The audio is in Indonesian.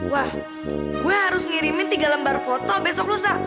wah gue harus ngirimin tiga lembar foto besok lusa